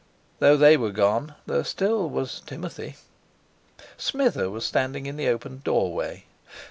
Though they were gone, there, still, was Timothy! Smither was standing in the open doorway. "Mr.